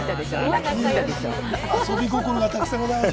遊び心がたくさんございます。